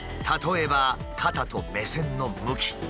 例えば肩と目線の向き。